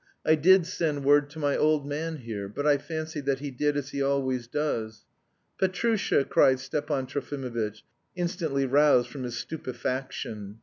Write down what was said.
I did send word to my old man here, but I fancy that he did as he always does..." "Petrusha!" cried Stepan Trofimovitch, instantly roused from his stupefaction.